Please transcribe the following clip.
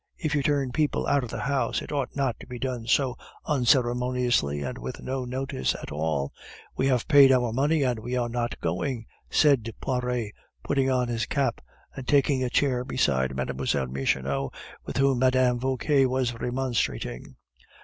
If you turn people out of the house, it ought not to be done so unceremoniously and with no notice at all. We have paid our money, and we are not going," said Poiret, putting on his cap, and taking a chair beside Mlle. Michonneau, with whom Mme. Vauquer was remonstrating.